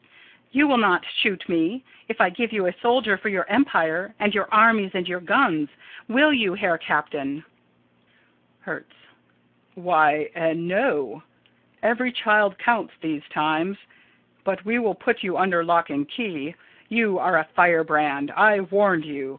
_] You will not shoot me if I give you a soldier for your empire and your armies and your guns, will you, Herr Captain? Hertz: Why eh, no. Every child counts these times. But we will put you under lock and key. You are a firebrand. I warned you.